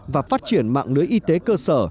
và phát triển mạng lưới y tế cơ sở